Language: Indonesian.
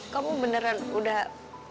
kamu beneran udah